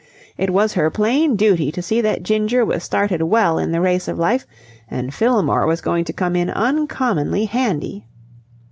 It was her plain duty to see that Ginger was started well in the race of life, and Fillmore was going to come in uncommonly handy.